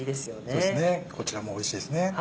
そうですねこちらもおいしいですね。